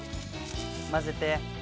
混ぜて。